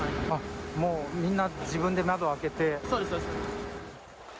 もうみんな、自分で窓開けて？